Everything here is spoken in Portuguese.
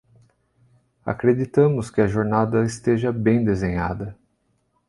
Acreditamos que a jornada esteja bem desenhada